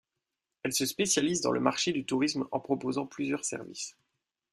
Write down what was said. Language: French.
Elle se spécialise dans le marché du tourisme en proposant plusieurs services.